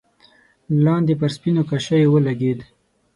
لاندې پر سپينو کاشيو ولګېده.